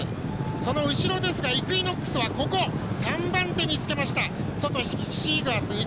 その後ろ、イクイノックスは３番手につけました。